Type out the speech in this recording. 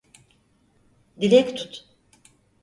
Dilek tut.